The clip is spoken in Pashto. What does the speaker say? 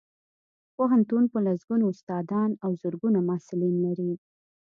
پوهنتون په لسګونو استادان او زرګونه محصلین لري